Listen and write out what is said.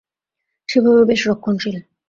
সেভাবে বেশ রক্ষণশীল।